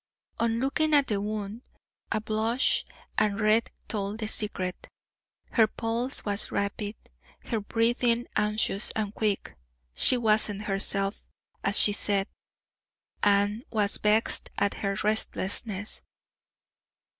On looking at the wound, a blush of red told the secret; her pulse was rapid, her breathing anxious and quick, she wasn't herself, as she said, and was vexed at her restlessness.